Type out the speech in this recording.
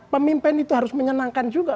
pemimpin itu harus menyenangkan juga